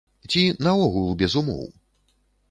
Ці наогул без умоў?